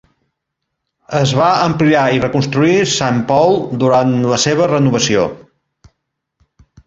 Es va ampliar i reconstruir Saint Paul durant la seva renovació.